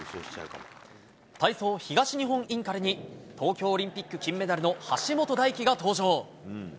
体操、東日本インカレに、東京オリンピック金メダルの橋本大輝が登場。